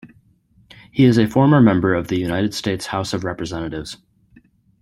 He is a former member of the United States House of Representatives.